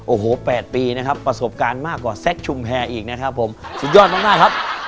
โอ้โห๘ปีนะครับประสบการณ์มากกว่าแซคชุมแพรอีกนะครับผมสุดยอดมากครับ